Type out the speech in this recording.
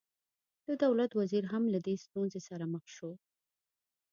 د دولت وزیر هم له دې ستونزې سره مخ شو.